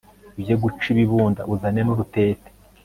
ujye guca ibihunda uzane nurutete